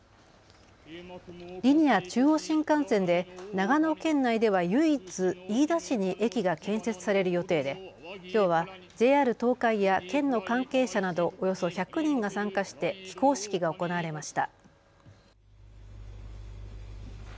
リニア中央新幹線で長野県内では唯一、飯田市に駅が建設される予定で、きょうはＪＲ東海や県の関係者などおよそ１００人が参加して起工式が行われました。